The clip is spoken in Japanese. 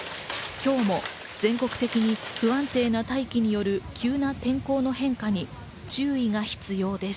今日も全国的に不安定な大気による急な天候の変化に注意が必要です。